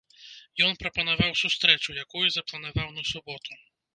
Ён прапанаваў сустрэчу, якую запланаваў на суботу.